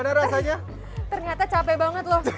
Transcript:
ternyata capek banget loh